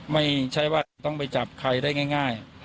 ไม่ใช่ว่าต้องไปจับใครได้ง่าย